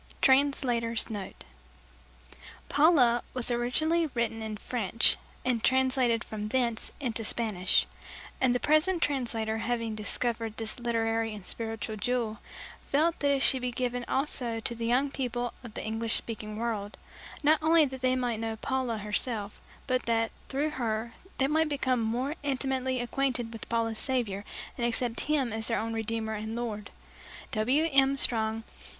Translator's note: "Paula" was originally written in French and translated from thence into Spanish; and the present translator having discovered this literary and spiritual jewel, felt that it should be given also to the young people of the English speaking world, not only that they might know Paula herself, but that, through her, they might become more intimately acquainted with Paula's Saviour and accept Him as their own Redeemer and Lord. W. M. STRONG.